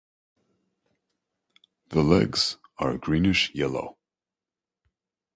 The legs are greenish-yellow.